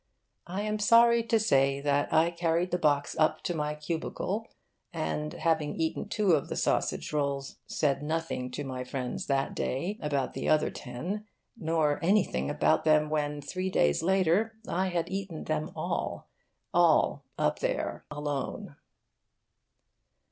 I am sorry to say that I carried the box up to my cubicle, and, having eaten two of the sausage rolls, said nothing to my friends, that day, about the other ten, nor anything about them when, three days later, I had eaten them all all, up there, alone.